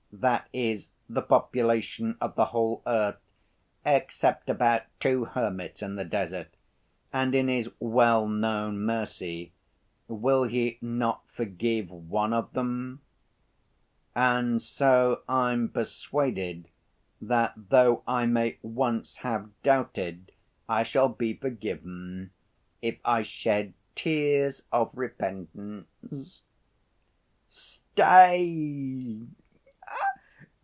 that is, the population of the whole earth, except about two hermits in the desert, and in His well‐known mercy will He not forgive one of them? And so I'm persuaded that though I may once have doubted I shall be forgiven if I shed tears of repentance." "Stay!"